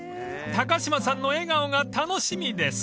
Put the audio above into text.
［高島さんの笑顔が楽しみです］